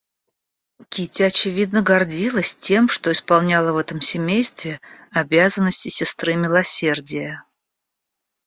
Кити, очевидно, гордилась тем, что исполняла в этом семействе обязанности сестры милосердия.